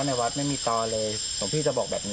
ไม่ได้ตัดนะครับ